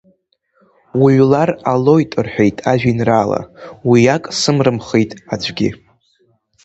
Уҩлар ҟалоит, – рҳәеит, ажәеинраала, уи ак сымимхит аӡәгьы.